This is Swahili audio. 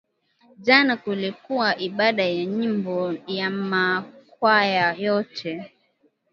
Jana kulikuwa ibada ya nyimbo ya ma kwaya yote